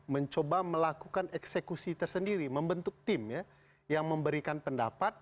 mencoba melakukan eksekusi tersendiri membentuk tim ya yang memberikan pendapat